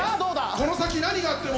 この先何があっても。